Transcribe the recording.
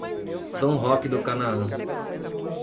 São Roque do Canaã